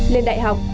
lên đại học